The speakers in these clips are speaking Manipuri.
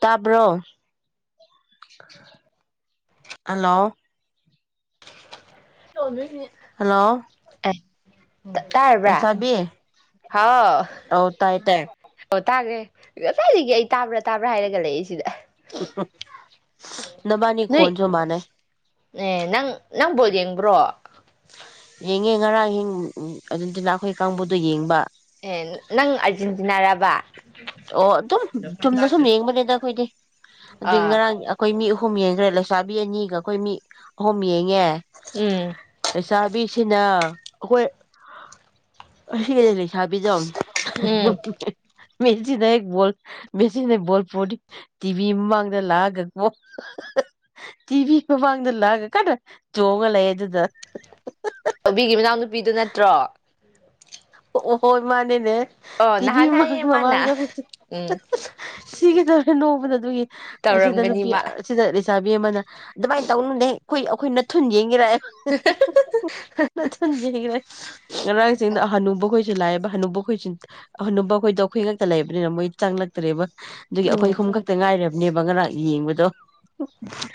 ꯇꯥꯕ꯭ꯔꯣ ꯍꯜꯂꯣ ꯍꯜꯂꯣ [unintelligible] ꯗ ꯇꯥꯔꯕ꯭ꯔꯥ ꯂꯩꯁꯥꯕꯤ ꯍꯥꯎ ꯑꯧ ꯇꯥꯏ ꯇꯥꯏ ꯑꯣ ꯇꯥꯒ꯭ꯔꯦ ꯉꯁꯥꯏꯗꯒꯤ ꯑꯩ ꯇꯥꯕ꯭ꯔꯥ ꯇꯥꯕ꯭ꯔꯥ ꯍꯥꯏꯔꯒ ꯂꯩꯏꯁꯤꯗ [inaudible] ꯅꯕꯥꯅꯤ ꯅꯣꯏ ꯈꯣꯟꯁꯨ ꯃꯥꯟꯅꯩ ꯑꯦ ꯅꯪ ꯅꯪ ꯕꯣꯜ ꯌꯦꯡꯕ꯭ꯔꯣ ꯌꯦꯡꯉꯦ ꯉꯔꯥꯡ ꯑꯗꯨꯟꯇꯤꯅꯥ ꯑꯩꯈꯣꯏ ꯀꯥꯡꯕꯨꯗꯣ ꯌꯦꯡꯕ ꯑꯦ ꯅꯪ ꯑꯔꯖꯦꯟꯇꯤꯅꯥ ꯔꯕ ꯑꯣ ꯑꯗꯨꯝ ꯆꯨꯝꯅ ꯁꯨꯝ ꯌꯦꯡꯕꯅꯦꯗ ꯑꯩꯈꯣꯏꯗꯤ ꯑꯗꯨꯏ ꯑꯥ ꯉꯔꯥꯡ ꯑꯩꯈꯣꯏ ꯃꯤꯨꯝ ꯑꯍꯨꯝ ꯌꯦꯡꯈ꯭ꯔꯦ ꯂꯩꯁꯥꯕꯤ ꯑꯅꯤꯒ ꯑꯩꯈꯣꯏ ꯃꯤ ꯑꯍꯨꯝ ꯌꯦ ꯉꯦ ꯎꯝ ꯂꯩꯩꯁꯥꯕꯤꯁꯤꯅ ꯍꯈꯣꯏ ꯁꯤ ꯀꯗ [unintelligible] ꯆꯕꯤꯗꯝ ꯎꯝ ꯃꯦꯁꯤꯅ ꯍꯦꯛ ꯕꯣꯜ ꯃꯦꯁꯤꯅ ꯍꯦꯛ ꯕꯣꯜ ꯄꯣꯅꯤ ꯇꯤꯚꯤ ꯃꯃꯥꯡꯗ ꯂꯥꯛꯑꯒ ꯇꯤꯚꯤ ꯃꯃꯥꯡꯗ ꯂꯥꯛꯑꯒ ꯀꯟꯅ ꯆꯣꯡꯉ ꯂꯩ ꯑꯗꯨꯗ ꯑꯣꯕꯤꯒꯤꯃꯅꯥꯎ ꯕꯤꯗꯨ ꯅꯠꯇ꯭ꯔꯣ ꯑꯣ ꯍꯣꯏ ꯏ ꯃꯥꯅꯦꯅꯦ ꯑꯣ ꯅꯍꯥꯟ ꯇꯤꯚꯤꯃ ꯍꯥꯏꯌꯦ ꯃꯥꯅ ꯃꯃꯥꯡꯗ ꯎꯝ ꯁꯤꯒꯗꯧꯔꯦ ꯅꯣꯡꯃꯗ ꯑꯗꯨꯒꯤ ꯑꯁꯤꯗ ꯇꯧꯔꯝꯒꯅꯤ ꯅꯨꯄꯤ ꯃꯥ ꯑꯁꯤꯗ ꯆꯆꯥꯕꯤ ꯑꯃꯅ ꯑꯗꯨꯃꯥꯏꯅ ꯇꯧꯅꯅꯦ ꯑꯩꯈꯣꯏ ꯑꯩꯈꯣꯏꯅꯊꯨꯟ ꯌꯦꯡꯒꯦꯔꯑꯦ ꯅꯊꯟ ꯌꯦꯈ꯭ꯔꯦ ꯉꯔꯥꯡꯁꯤꯡꯗ ꯑ ꯍꯅꯨ ꯑꯩꯈꯣꯏꯁꯨ ꯂꯥꯛꯑꯦꯕ ꯑꯅꯧꯕꯈꯣꯏꯁꯨ ꯑꯅꯨꯈꯣꯏꯗꯣ ꯑꯩꯈꯣꯏ ꯉꯥꯛꯛꯇ ꯂꯩꯕꯅꯤꯅ ꯃꯣꯏ ꯆꯪꯂꯛꯇ꯭ꯔꯦꯕ ꯑꯗꯨꯒꯤ ꯎꯝ ꯑꯩꯈꯣꯏ ꯑꯍꯨꯝ ꯈꯛꯇ ꯉꯥꯏꯔꯦꯕ ꯅꯦꯕ ꯉꯔꯥꯡ ꯌꯦꯡꯕꯗꯣ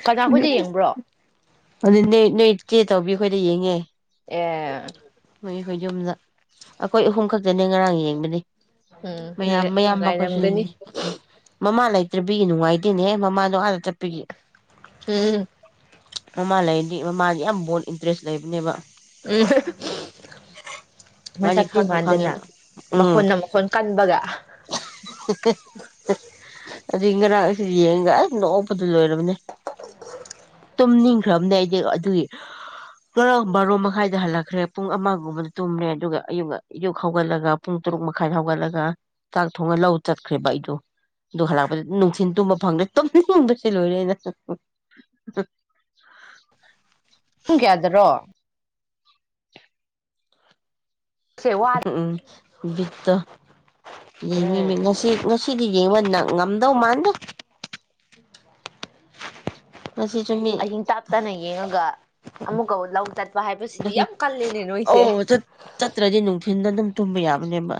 ꯀꯅꯥꯈꯣꯏꯗ ꯌꯦꯡꯕ꯭ꯔꯣ [unintelligible] ꯑꯗꯨ ꯅꯣꯏ ꯏꯆꯦ ꯇꯧꯕꯤ ꯑꯩꯈꯣꯏꯗ ꯌꯦꯡꯉꯦ ꯑꯦ ꯅꯣꯏ ꯑꯩꯈꯣꯏ ꯌꯨꯝꯗ ꯑꯩꯈꯣꯏ ꯑꯍꯨꯝ ꯈꯛꯇꯅꯦ ꯉꯔꯥꯡ ꯌꯦꯡꯕꯅꯤ ꯎꯝ ꯃꯌꯥꯝ ꯃꯌꯥꯝꯕ ꯅꯨꯡꯉꯥꯏꯔꯝꯒꯅꯤ ꯑꯩꯈꯣꯏꯁꯨꯡꯅꯤ ꯎꯝ ꯃꯃꯥ ꯂꯩꯇ꯭ꯔꯕꯤ ꯅꯨꯡꯉꯥꯏꯇꯦꯅꯦꯍ ꯃꯃꯥꯗꯣ ꯑꯥꯗ ꯆꯠꯄꯤꯒꯦ ꯎꯝ ꯃꯃꯥ ꯂꯩꯔꯗꯤ ꯃꯃꯥꯗꯤ ꯌꯥꯝ ꯕꯣꯜ ꯏꯟꯇꯔꯦꯁ ꯂꯩꯕꯅꯦꯕ ꯎꯝ ꯃꯥꯗꯤ ꯃꯁꯛꯅꯤꯤ ꯈꯪꯁꯨ ꯃꯥꯟꯗꯅ ꯈꯪꯉꯦꯕ ꯎꯝ ꯃꯈꯣꯟꯅ ꯃꯈꯣꯟ ꯀꯟꯕꯒ ꯑꯗꯨꯗꯒꯤ ꯉꯔꯥꯡ ꯑꯁꯤ ꯌꯦꯡꯒ ꯑꯁ ꯅꯣꯛ ꯑꯣꯄꯗꯨ ꯂꯣꯏꯔꯕꯅꯦ ꯇꯨꯝꯅꯤꯡꯈ꯭ꯔꯕꯅꯦ ꯑꯩꯗꯤ ꯑꯗꯨꯒꯤ ꯉꯔ ꯕꯥꯔꯣ ꯃꯈꯥꯏꯗ ꯍꯜꯂꯛꯈ꯭ꯔꯦ ꯄꯨꯡ ꯑꯃꯒꯨꯝꯕꯗ ꯇꯨꯝꯔꯦ ꯑꯗꯨꯒ ꯑꯌꯨꯛ ꯑꯌꯨꯛ ꯍꯧꯒꯠꯂꯒ ꯄꯨꯡ ꯇꯔꯨꯛ ꯃꯈꯥꯏꯗ ꯍꯧꯒꯠꯂꯒ ꯆꯥꯛ ꯊꯣꯡꯉ ꯂꯧ ꯆꯠꯈ꯭ꯔꯦꯕ ꯑꯩꯗꯣ ꯑꯗꯨ ꯍꯜꯂꯛꯄꯗ ꯅꯨꯡꯊꯤꯟ ꯇꯨꯝꯕ ꯐꯪꯗ꯭ꯔꯦ ꯇꯨꯝꯅꯤꯡꯅꯤꯡꯕꯁꯦ ꯂꯣꯏꯔꯦꯅ [inaudible] ꯄꯨꯡ ꯀꯌꯥꯗꯔꯣ ꯁꯦ ꯋꯥ ꯎꯝ ꯎꯝ ꯕꯤꯠꯇꯣ ꯎꯝ ꯌꯦꯡꯅꯤꯡ ꯉꯁꯤ ꯉꯁꯤꯗꯤ ꯌꯦꯡꯕ ꯅꯪ ꯉꯝꯗꯧ ꯃꯥꯗ ꯑꯍꯤꯡ ꯇꯥꯞꯇꯥꯅ ꯌꯦꯡꯉꯒ ꯑꯃꯃꯨꯛꯥꯎ ꯂ ꯇꯔ ꯑꯣ ꯆꯠꯇ꯭ꯔꯗꯤ ꯅꯨꯡ ꯊꯤꯟꯗ ꯑꯗꯨꯝ ꯇꯨꯝꯕ ꯌꯥꯕꯅꯦꯕ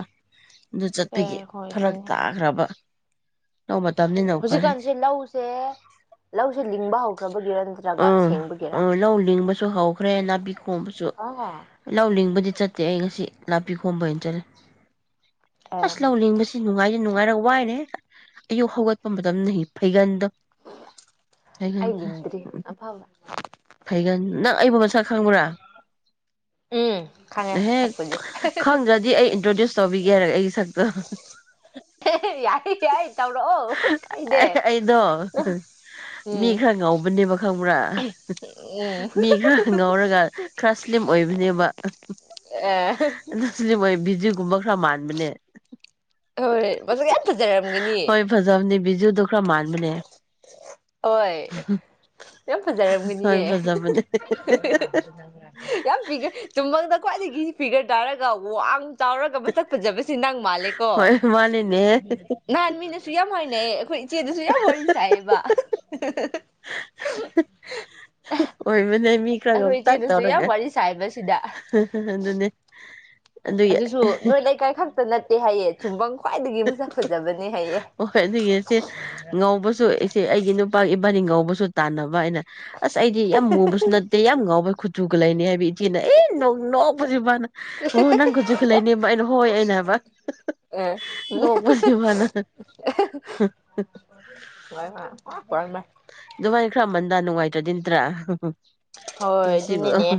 ꯑꯗꯨ ꯆꯠꯄꯒꯤ ꯑꯦ ꯍꯣꯏ ꯐꯔꯛ ꯑꯗꯨꯅꯦ ꯇꯥꯈ꯭ꯔꯕ ꯂꯧ ꯃꯇꯝꯅꯤꯅ ꯎꯄꯥꯏ ꯂꯩꯇꯦ ꯍꯧꯖꯤꯛꯀꯥꯟꯁꯦ ꯂꯧꯁꯦ ꯂꯧꯁꯦ ꯂꯤꯡꯕ ꯍꯧ ꯐꯕꯒꯤꯔ ꯅꯠꯇ꯭ꯔꯒ ꯁꯦꯡꯕꯒꯤꯔ ꯁꯨ ꯍꯧꯈ꯭ꯔꯦꯅ ꯈꯣꯝꯕꯁꯨ ꯑꯥ ꯂꯧꯅꯤꯡꯕꯗꯤ ꯆꯠꯇꯦ ꯑꯩ ꯉꯁꯤ ꯅꯥꯄꯤ ꯈꯣꯝꯕ ꯑꯣꯏꯅ ꯆꯠꯂꯦ ꯑꯦ ꯑꯁ ꯂꯧ ꯂꯤꯡꯕꯁꯤ ꯅꯨꯡꯉꯥꯏꯌꯦ ꯅꯨꯡꯉꯥꯏꯔ ꯋꯥꯏꯔꯦ ꯑꯌꯨꯛ ꯍꯧꯒꯠꯄ ꯃꯇꯝꯗꯒꯤ ꯐꯩꯒꯟꯗꯣ ꯐꯩꯒꯟ ꯑꯩ ꯂꯤꯡꯗ꯭ꯔꯤ ꯑꯐꯕ ꯐꯩꯒꯟ ꯅꯪ ꯑꯩꯕꯨ ꯃꯁꯛ ꯈꯪꯕ꯭ꯔꯥ ꯎꯝ ꯈꯪꯉꯦ ꯍꯦꯛ ꯁꯛꯄꯨꯗꯤ ꯈꯪꯗ꯭ꯔꯗꯤ ꯑꯩ ꯏꯟꯇ꯭ꯔꯣꯗ꯭ꯌꯨꯁ ꯇꯧꯕꯤꯒꯦ ꯑꯩ ꯁꯛꯇꯣ ꯌꯥꯏ ꯌꯥꯏ ꯇꯧꯔꯛꯑꯣ ꯀꯥꯏꯗꯦ ꯑꯩꯗꯣ ꯎꯝ ꯃꯤ ꯈꯔ ꯉꯧꯕꯅꯦꯕ ꯈꯪꯕ꯭ꯔꯥ ꯎꯝ ꯃꯤ ꯈꯔ ꯉꯧꯔꯒ ꯈꯔ ꯁ꯭ꯂꯤꯝ ꯑꯦ ꯑꯣꯏꯕꯅꯦꯕꯁꯂꯤꯝ ꯑꯣꯏ ꯑꯗꯨꯒꯖꯤꯒꯨꯝꯕ ꯈꯔ ꯃꯥꯟꯕꯅꯦ ꯍꯣꯏ ꯃꯁꯛ ꯌꯥꯝ ꯐꯖꯔꯝꯒꯅꯤ ꯍꯣꯏ ꯐꯖꯕꯅꯤ ꯕꯤꯖꯨꯗꯨ ꯈꯔ ꯃꯥꯟ ꯁꯃꯅꯦ ꯍꯣꯏ ꯌꯥꯝ ꯍꯣꯏ ꯐꯖꯔꯝꯒꯅꯤꯑꯦ ꯐꯖꯕꯅꯦ ꯌꯥꯝ ꯄꯤꯈ꯭ꯔꯦ ꯇꯨꯝꯕꯪꯗ ꯈ꯭ꯋꯥꯏꯗꯒꯤ ꯏꯁꯄꯤꯒꯔꯗꯔꯒꯕꯨ ꯑ ꯆꯥꯎꯔꯒ ꯃꯁꯛ ꯐꯖꯕꯁꯤ ꯅꯪ ꯍꯣꯏ ꯃꯥꯜꯂꯦꯀꯣ ꯃꯥꯅꯤꯅꯦ ꯅꯍꯥꯟ ꯃꯤꯅꯁꯨ ꯌꯥꯝ ꯍꯥꯏꯅꯩꯑ ꯑꯩꯈꯣꯏ ꯏꯆꯦꯗꯁꯨ ꯌꯥꯝ ꯋꯥꯔꯤ ꯁꯥꯏꯌꯦꯕ ꯑꯣꯏ ꯃꯅꯤ ꯃꯤ ꯈꯔ ꯑꯩꯈꯣꯏ ꯉꯧꯇꯛ ꯏꯆꯦꯗꯁꯨ ꯇꯧꯔꯒ ꯌꯥꯝ ꯋꯥꯔꯤ ꯁꯥꯏꯕ ꯁꯤꯗ ꯑꯗꯨꯅꯦ ꯑꯗꯨꯒꯤ ꯑꯗꯨꯁꯨ ꯅꯣꯏ ꯂꯩꯀꯥꯏ ꯈꯛꯇ ꯅꯠꯇꯦ ꯍꯥꯏꯌꯦꯦ ꯆꯨꯝꯐꯝꯪ ꯈ꯭ꯋꯥꯏꯗꯒꯤ ꯃꯁꯛ ꯐꯖꯕꯅꯦ ꯍꯥꯏꯌꯦ ꯍꯣꯏ ꯑꯗꯨꯒꯤꯁꯦ ꯉꯧꯕꯁꯨ ꯑꯩꯁꯦ ꯑꯩꯒꯤ ꯅꯨꯄꯥ ꯏꯕꯥꯅꯤ ꯉꯧꯕꯁꯨ ꯇꯥꯟꯅꯕ ꯑꯩꯅ ꯑꯁ ꯑꯩꯗꯤ ꯌꯥꯝ ꯃꯨꯕꯁꯨ ꯅꯠꯇꯦ ꯌꯥꯝ ꯉꯥꯎꯕꯩ ꯈꯨꯨꯆꯨꯒ ꯂ ꯂꯩꯥꯏꯅꯤ ꯍꯥꯏꯕꯗꯤ ꯀꯅ ꯑꯦ ꯅ ꯅ ꯄꯨꯖꯤꯕꯅ ꯑꯣ ꯅꯪꯒꯖ ꯈꯨꯂꯥꯏꯅꯦꯦꯝꯕ ꯑꯩꯅ ꯍꯣꯏ ꯑꯩꯅ ꯍꯥꯏꯕ ꯑꯦ ꯅꯣꯛꯄꯁꯦ ꯃꯥꯅ ꯍꯣꯏ ꯍꯣꯏ ꯑꯗꯨꯃꯥꯏꯅ ꯈꯔ ꯃꯟꯗꯥ ꯅꯨꯡꯉꯥꯏꯇ꯭ꯔꯗꯤ ꯅꯠꯇ꯭ꯔꯥ ꯍꯣꯏ ꯄꯨꯟꯁꯤꯕꯨ ꯑꯗꯨꯅꯅꯦ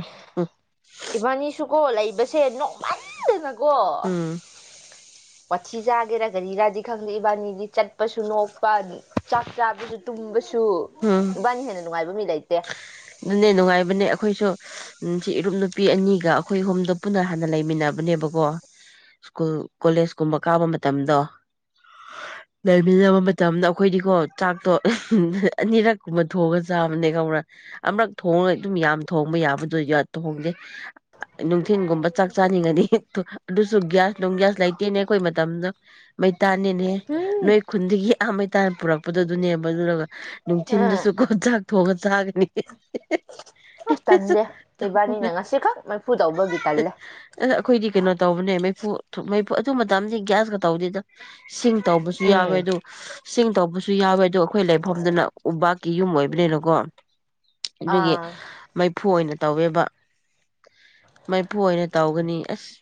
ꯏꯕꯥꯅꯤꯁꯨꯀꯣ ꯂꯩ ꯁꯦ ꯅꯣꯡꯃꯜꯗꯅꯀꯣ ꯎꯝ ꯋꯥꯊꯤ ꯆꯥꯒꯦꯔꯥ ꯀꯔꯤꯔꯥꯗꯤ ꯈꯪꯗꯦ ꯏꯕꯥꯅꯤꯗꯤ ꯆꯠꯄꯁꯨ ꯅꯣꯛꯄꯅꯤ ꯆꯥꯛ ꯆꯥꯕꯁꯨꯕ ꯁꯨ ꯎꯝ ꯏꯕꯥꯅꯤ ꯍꯦꯟꯅ ꯅꯨꯡꯉꯥꯏꯕ ꯃꯤ ꯂꯩꯇꯦ ꯑꯗꯨꯅꯦ ꯅꯨꯡꯉꯥꯏꯕꯅꯦ ꯑꯩꯈꯣꯏꯁꯨ ꯁꯤ ꯏꯔꯨꯞ ꯅꯨꯄꯤ ꯑꯅꯤꯒ ꯑꯩꯈꯣꯏ ꯍꯣꯝꯗ ꯄꯨꯟꯅ ꯍꯥꯟꯅ ꯂꯩꯃꯤꯟꯅꯕꯅꯦꯕꯀꯣ ꯁ꯭ꯀꯨꯜ ꯀꯣꯂꯦꯖ ꯀꯨꯝꯕ ꯀꯥꯕ ꯃꯇꯝꯗꯣ ꯂꯩꯃꯤꯟꯅꯕ ꯃꯇꯝꯗ ꯑꯩꯈꯣꯏꯗꯤꯀꯣ ꯆꯥꯛꯇꯣ ꯑꯅꯤꯔꯛ ꯀꯨꯝꯕ ꯊꯣꯡꯑꯒ ꯆꯥꯕꯅꯦ ꯀꯧꯔ ꯑꯃꯨꯔꯛ ꯊꯣꯡꯉꯒ ꯑꯗꯨꯝ ꯌꯥꯝ ꯊꯣꯡꯕ ꯌꯥꯕꯗꯣ ꯊꯣꯡꯗꯦ ꯅꯨꯡꯊꯤꯟꯜꯒꯨꯝꯕ ꯆꯥꯛ ꯆꯥꯅꯤꯡꯉꯅꯤ ꯑꯗꯨꯁꯨ ꯒ꯭ꯌꯥꯁ ꯅꯨꯡ ꯒ꯭ꯌꯥꯁ ꯂꯩꯇꯦꯅꯦ ꯑꯩꯈꯣꯏ ꯃꯇꯝꯗꯣ ꯃꯩꯇꯥꯥꯟꯅꯤꯅꯦ ꯎꯝ ꯅꯣꯏ ꯈꯨꯟꯗꯒꯤ ꯑ ꯃꯩꯇꯥꯅ ꯄꯨꯔꯛꯄꯗ ꯑꯗꯨꯅꯦꯕ ꯑꯗꯨꯔꯒ ꯎꯝ ꯅꯨꯡꯊꯤꯟꯗꯁꯨ ꯀꯣꯟ ꯆꯥꯛ ꯊꯣꯡꯉ ꯆꯥꯒꯅꯤ ꯑꯁ ꯇꯟꯗꯦ ꯏꯕꯥꯅꯤꯅ ꯉꯁꯤꯈꯛ ꯃꯩꯐꯨ ꯇꯧꯕꯒꯤ ꯑ ꯇꯜꯂꯦ ꯑꯩꯈꯣꯏꯗꯤ ꯀꯩꯅꯣ ꯇꯧꯕꯅꯦ ꯃꯩꯐꯨ ꯃꯩ ꯑꯗꯨ ꯃꯇꯝꯗꯤ ꯒ꯭ꯌꯥꯁꯀ ꯇꯧꯗꯦꯗ ꯁꯤꯡ ꯇꯧꯕꯁꯨ ꯌꯥꯎꯋꯦ ꯎꯝ ꯑꯗꯨ ꯁꯤꯡ ꯇꯧꯕꯁꯨ ꯌꯥꯎꯋꯦ ꯑꯗꯨ ꯑꯩꯈꯣꯏ ꯂꯩꯐꯝꯗꯨꯅ ꯎꯄꯥꯛꯥꯛꯀꯤ ꯌꯨꯝ ꯑꯣꯏꯕꯅꯤꯅꯀꯣ ꯑꯗꯨꯒꯤ ꯑꯥ ꯃꯩꯐꯨ ꯑꯣꯏꯅ ꯇꯧꯋꯦꯕ ꯃꯩꯐꯨ ꯑꯣꯏꯅ ꯇꯧꯒꯅꯤ ꯑꯁ